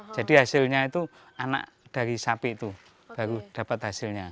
jadi hasilnya itu anak dari sapi itu baru dapat hasilnya